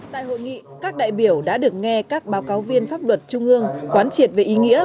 tại hội nghị các đại biểu đã được nghe các báo cáo viên pháp luật trung ương quán triệt về ý nghĩa